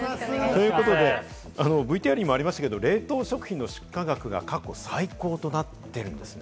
ＶＴＲにもありましたが、冷凍食品の出荷額が過去最高となっているんですね。